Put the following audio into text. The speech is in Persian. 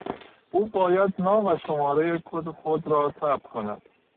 اول باید نام و شمارهی کد خودت را ثبت کنی.